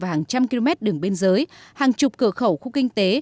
và hàng trăm km đường bên dưới hàng chục cửa khẩu khu kinh tế